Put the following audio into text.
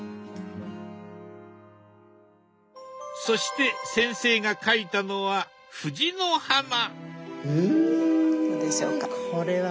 そして先生が描いたのは藤の花。